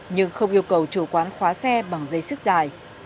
nhưng không yêu cầu chủ quán khóa xe bằng dây sức dài